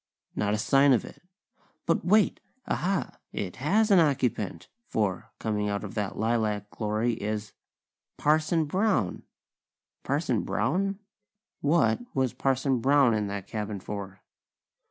Not a sign of it. But wait! Aha! It has an occupant, for, coming out of that lilac glory is Parson Brown!! Parson Brown? What was Parson Brown in that cabin for?